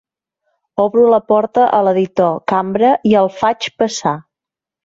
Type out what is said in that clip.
Obro la porta a l'editor Cambra i el faig passar.